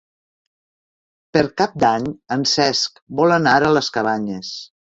Per Cap d'Any en Cesc vol anar a les Cabanyes.